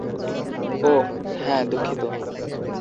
ওহ, হ্যাঁ, দুঃখিত।